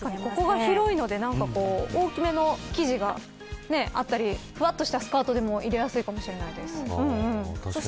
広いので大きめの生地であったりふわっとしたスカートでも入れやすいかもしれないです。